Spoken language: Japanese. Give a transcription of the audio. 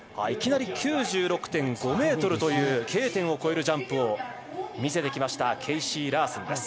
いきなり９６．５ｍというＫ点を越えるジャンプを見せてきましたケイシー・ラースン。